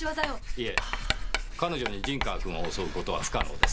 いえ彼女に陣川君を襲う事は不可能です。